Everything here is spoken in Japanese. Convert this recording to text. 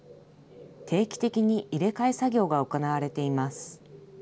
定期的に入れ替え作業が行われています。